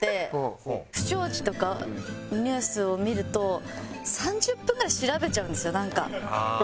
不祥事とかのニュースを見ると３０分ぐらい調べちゃうんですよなんか。